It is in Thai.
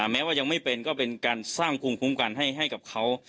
แม้ว่ายังไม่เป็นก็เป็นการสร้างภูมิคุ้มกันให้กับเขา